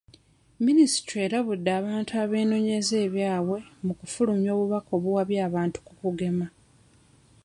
Minisitule erabudde abantu abeenoonyeza ebyabwe ku kufulumya obubaka obuwabya abantu ku kugema.